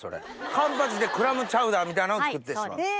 カンパチでクラムチャウダーみたいなのを作ってしまう。